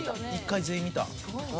１回全員見た。